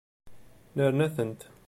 Nerna-tent.